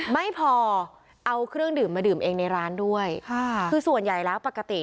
ไม่พอเอาเครื่องดื่มมาดื่มเองในร้านด้วยค่ะคือส่วนใหญ่แล้วปกติ